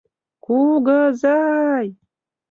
Ку-гы-зай!..